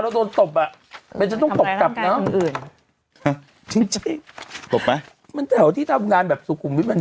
แล้วโดนตบอ่ะไม่จะต้องตบกับคนอื่นฮะไม่ใช่ตบมั้ยมันแถวที่ทำงานแบบสุขุม